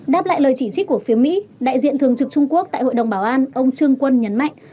đáp lại lời chỉ trích của phía mỹ đại diện thường trực trung quốc tại hội đồng bảo an ông trương quân nhấn mạnh